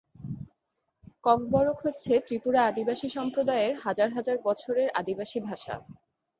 ককবরক হচ্ছে ত্রিপুরা আদিবাসী সম্প্রদায়ের হাজার হাজার বছরের আদিবাসী ভাষা।